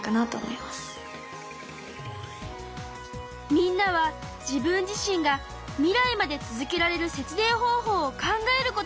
みんなは自分自身が未来まで続けられる節電方法を考えることにしたの。